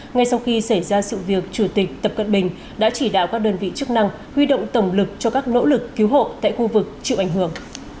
ngay sau khi xảy ra sự việc chủ tịch tập cận bình đã chỉ đạo các đơn vị chức năng huy động tổng lực cho các nỗ lực cứu hộ tại khu vực chịu ảnh hưởng